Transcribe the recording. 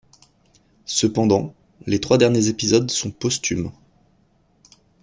Cependant, les trois derniers épisodes sont posthumes.